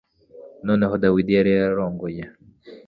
Nanone Dawidi yari yararongoye